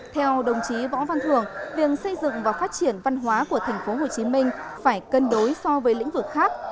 theo đồng chí võ văn thường việc xây dựng và phát triển văn hóa của tp hcm phải cân đối so với lĩnh vực khác